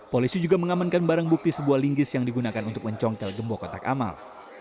polisi juga mengamankan barang bukti sebuah linggis yang digunakan untuk mencongkel gembok kotak amal